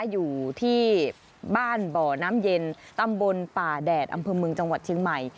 อยู่ที่บ้านบ่อน้ำเย็นตำบลป่าแดดอำเภอเมืองจังหวัดเชียงใหม่